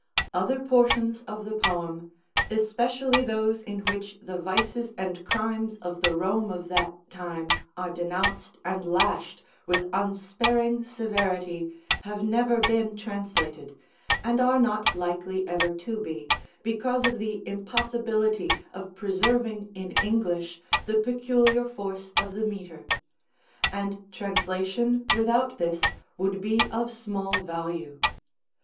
Other portions of the poem, especially those in which the vices and crimes of the Rome of that time are denounced and lashed with unsparing severity, have never been translated, and are not likely ever to be, because of the impossibility of preserving in English the peculiar force of the metre; and translation without this would be of small value.